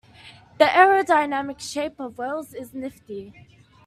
The aerodynamic shape of whales is nifty.